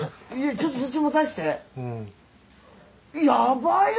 ちょっとそっち持たせて。